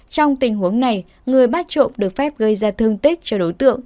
trong tình huống này người bắt trộm được phép gây ra thương tích cho đối tượng